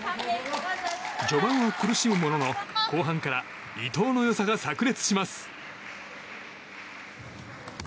序盤は苦しむものの後半から伊藤の良さが炸裂します。